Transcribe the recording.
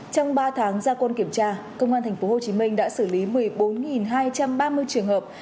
trong ba tháng gia quân kiểm tra công an tp hcm đã xử lý một mươi bốn hai trăm ba mươi trường hợp